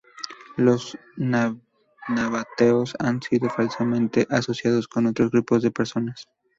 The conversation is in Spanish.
Los nabateos han sido falsamente asociados con otros grupos de personas.